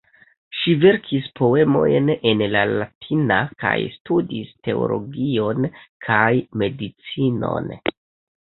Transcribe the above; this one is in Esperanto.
Ŝi verkis poemojn en la latina kaj studis teologion kaj medicinon.